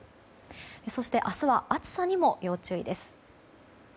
そして、明日は暑さにも要注意です。